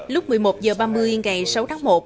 lúc một mươi một h ba mươi ngày sáu tháng một